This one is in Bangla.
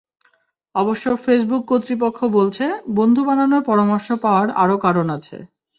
অবশ্য ফেসবুক কর্তৃপক্ষ বলছে, বন্ধু বানানোর পরামর্শ পাওয়ার আরও কারণ আছে।